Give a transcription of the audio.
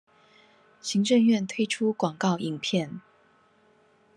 行政院推出廣告影片